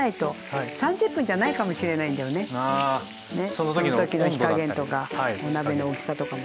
そのときの火加減とかお鍋の大きさとかも。